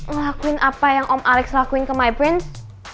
ngelakuin apa yang om alex lakuin ke my prince